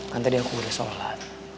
kan tadi aku udah sholat